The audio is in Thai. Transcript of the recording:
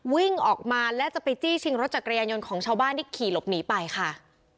วิ่งออกมาและจะไปจี้ชิงรถจักรยานยนต์ของชาวบ้านที่ขี่หลบหนีไปค่ะ